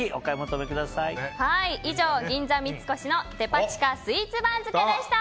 以上、銀座三越のデパ地下スイーツ番付でした。